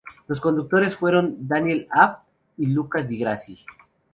Los conductores fueron Daniel Abt y Lucas di Grassi.